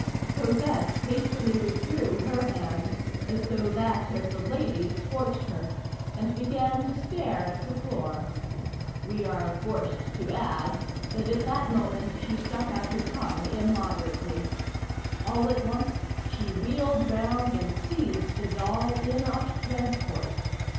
Cosette hastily withdrew her hand, as though that of the "lady" scorched her, and began to stare at the floor. We are forced to add that at that moment she stuck out her tongue immoderately. All at once she wheeled round and seized the doll in a transport.